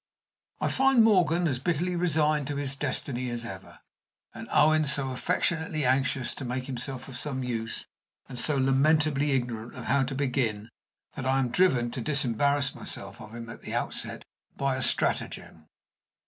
I find Morgan as bitterly resigned to his destiny as ever, and Owen so affectionately anxious to make himself of some use, and so lamentably ignorant of how to begin, that I am driven to disembarrass myself of him at the outset by a stratagem.